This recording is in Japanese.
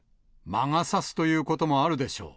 魔が差すということもあるでしょう。